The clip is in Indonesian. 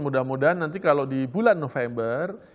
mudah mudahan nanti kalau di bulan november